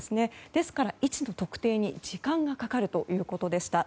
ですから、位置の特定に時間がかかるということでした。